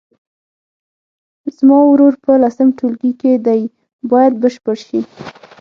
زما ورور په لسم ټولګي کې دی باید بشپړ شي.